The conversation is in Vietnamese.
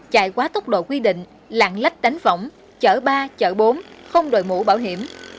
chạy quá tốc độ quy định lặn lách đánh võng chở ba chở bốn không đòi mũ bảo hiểm